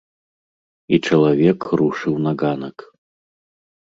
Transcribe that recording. І чалавек рушыў на ганак.